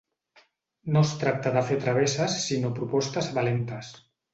No es tracta de fer travesses sinó propostes valentes.